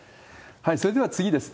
それでは次です。